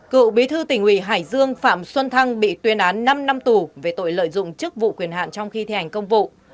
cựu bí thư tỉnh ủy hải dương phạm xuân thăng bị tuyên án năm năm tù về tội lợi dụng chức vụ quyền hạn trong khi thi hành công vụ